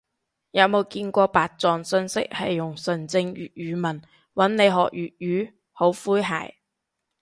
有冇見過白撞訊息係用純正粵語問，搵你學粵語？好詼諧